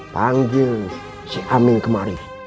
panggil si amin kemari